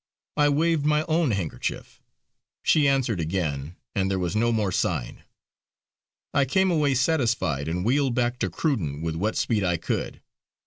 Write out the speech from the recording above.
I waved my own handkerchief; she answered again, and there was no more sign. I came away satisfied, and wheeled back to Cruden with what speed I could.